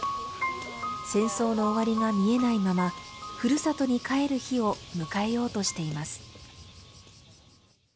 戦争の終わりが見えないまま、ふるさとに帰る日を迎えようとしています。